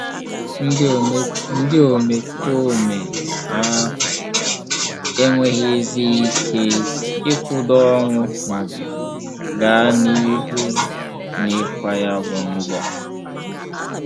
ndị omekoome ahụ enweghịzị ike ịkwụdonwu maọbụ gaa n'ihu n'ịkwà ya bụ mgbọ